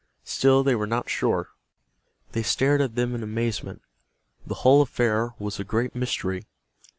Still they were not sure. They stared at them in amazement. The whole affair was a great mystery.